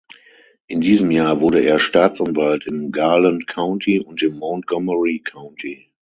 In diesem Jahr wurde er Staatsanwalt im Garland County und im Montgomery County.